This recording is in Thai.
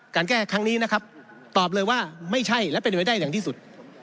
การแก้ครั้งนี้นะครับตอบเลยว่าไม่ใช่และเป็นไปได้อย่างที่สุด